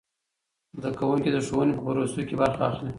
زده کوونکي د ښوونې په پروسې کې برخه لري.